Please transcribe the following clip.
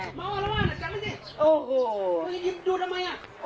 มาเอาอารวาสจัดมันสิ